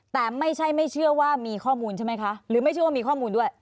แต่ไม่ใช่ไม่เชื่อว่ามีข้อมูลใช่ไหมคะหรือไม่เชื่อว่ามีข้อมูลด้วย